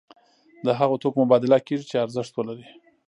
د هغو توکو مبادله کیږي چې ارزښت ولري.